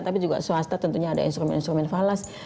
tapi juga swasta tentunya ada instrumen instrumen falas